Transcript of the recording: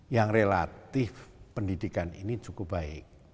yang relatif pendidikan ini cukup baik